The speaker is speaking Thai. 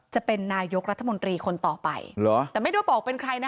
จะเป็นนายกรัฐมนตรีคนต่อไปเหรอแต่ไม่ได้บอกเป็นใครนะ